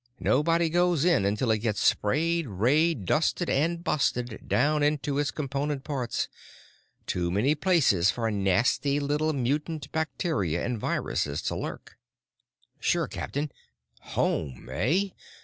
Nobody goes in until it gets sprayed, rayed, dusted, and busted down into its component parts. Too many places for nasty little mutant bacteria and viruses to lurk." "Sure, Captain. 'Home,' eh?